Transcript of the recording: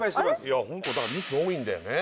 いやホントミス多いんだよね